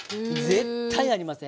絶対なりません！